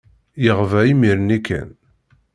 Yeɣba imir-nni kan.